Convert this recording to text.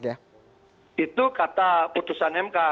itu kata putusan mk